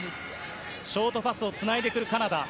ショートパスをつないでくるカナダ。